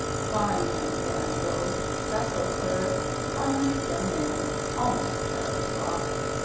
Fine young man, though, that Beauclerc finest young man, almost, I ever saw!"